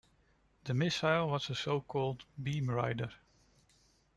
The missile was a so-called 'beam rider'.